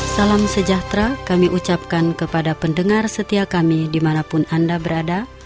salam sejahtera kami ucapkan kepada pendengar setia kami dimanapun anda berada